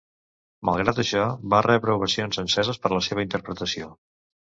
Malgrat això, va rebre ovacions enceses per la seva interpretació.